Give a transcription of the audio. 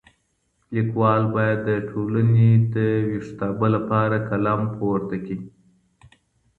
ليکوال بايد د ټولني د ويښتابه لپاره قلم پورته کړي.